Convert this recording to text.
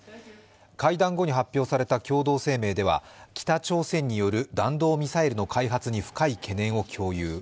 会談後に発表された共同声明では北朝鮮による弾道ミサイルの開発に深い懸念を共有。